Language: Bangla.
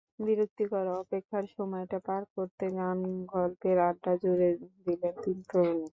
বিরক্তিকর অপেক্ষার সময়টা পার করতে গান গল্পের আড্ডা জুড়ে দিলেন তিন তরুণ।